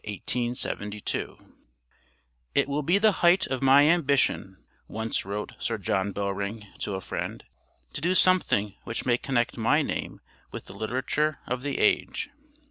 SIR JOHN BOWRING (1792 1872) "It will be the height of my ambition," once wrote Sir John Bowring to a friend, "to do something which may connect my name with the literature of the age."